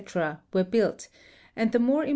were Imilt, and the more impoi 7.